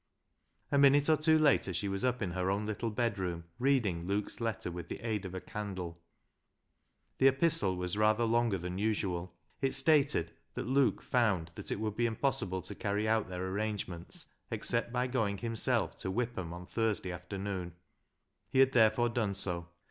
A minute or two later she was up in her own little bedroom, reading Luke's letter with the aid of a candle. The epistle was rather longer than usual. It stated that Luke found that it would be impos 96 BECKSIDE LIGHTS sible to carry out their arrangements, except by going himself to Whipham on Thursday after noon. He had therefore done so.